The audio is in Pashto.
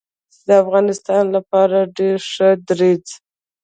د افغانستان لپاره ډیر ښه دریځ